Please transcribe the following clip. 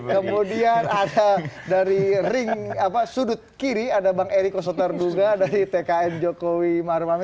kemudian ada dari ring sudut kiri ada bang eriko sotarduga dari tkn jokowi maruf amin